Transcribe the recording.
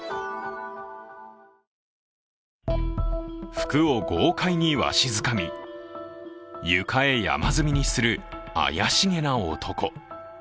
服を豪快にわしづかみ床へ山積みにする怪しげな男。